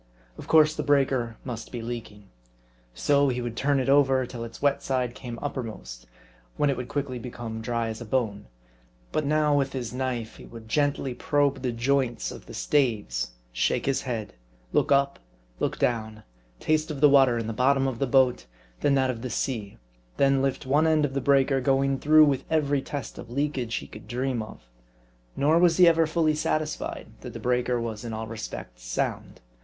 Of course the breaker must be leaking. So, he would turn it over, till its wet side came uppermost ; when it would quickly become dry as a bone. But now, with his knife, he would gently probe the joints of the staves ; r shake his head ; look up ; look down ; taste of the water in the bottom of the boat ; then that of the sea ; then lift one end of the breaker ; going through with every test of leakage he could dream of. Nor was he ever fully satisfied, that the breaker was in all respects sound.